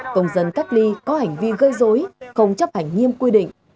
công dân cách ly có hành vi gây dối không chấp hành nghiêm quy định